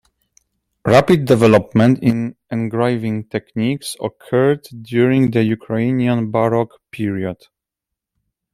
Rapid development in engraving techniques occurred during the Ukrainian Baroque period.